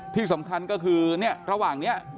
ที่สำคัญก็คือเนี่ยระหว่างนี้